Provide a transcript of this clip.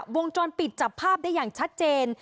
วงจรปิดจับภาพได้อย่างชัดเจน